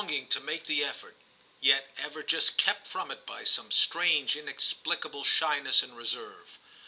ing to make the effort, yet ever just kept from it by some strange inexplicable shyness and reserve.